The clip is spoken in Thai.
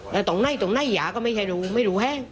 แต่ตรงนั้นตรงนั้นย่าก็ไม่รู้ไม่รู้แห้ง